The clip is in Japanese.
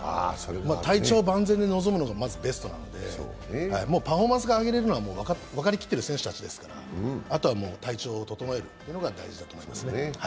体調が万全で臨むのがまずベストなのでもうパフォーマンスが上げれるのは分かり切っている選手たちですからあとは体調を整えるのが大事がと思いますね。